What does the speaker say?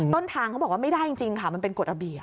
ต้นทางเขาบอกว่าไม่ได้จริงค่ะมันเป็นกฎระเบียบ